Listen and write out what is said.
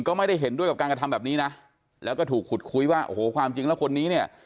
ก็ไม่ได้เห็นด้วยกับการกระทำแบบนี้นะแล้วก็ถูกขุดคุยว่าโอ้โหความจริงแล้วคนนี้เนี่ย